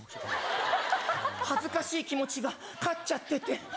恥ずかしい気持ちが勝っちゃってて。